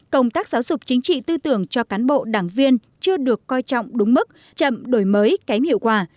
công tác giáo dục chính trị tư tưởng cho cán bộ đảng viên chưa được coi trọng đúng mức chậm đổi mới kém hiệu quả